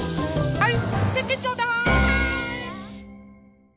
はい。